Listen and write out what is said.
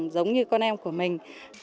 giống như con em của mình